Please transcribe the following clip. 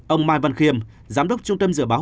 ông mai văn khiêm giám đốc trung tâm dự báo